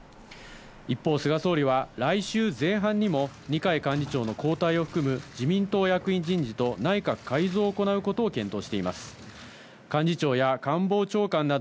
一方、菅総理は来週前半にも二階幹事長の交代を含む、自民党役員人事と内閣改造を行うことを検討しています。